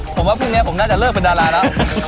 ผมว่าพรุ่งนี้ผมน่าจะเลิกเป็นดาราแล้ว